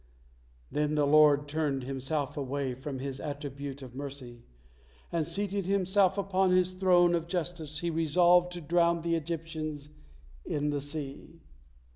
Then the Lord turned Himself away from His attribute of mercy, and seating Himself upon His throne of justice He resolved to drown the Egyptians in the sea.